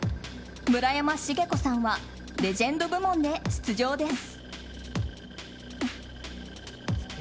村山茂子さんはレジェンド部門で出場です。